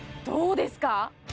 どうですか？